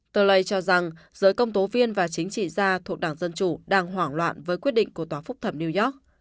tờ lây cho rằng giới công tố viên và chính trị gia thuộc đảng dân chủ đang hoảng loạn với quyết định của tòa phúc thẩm new york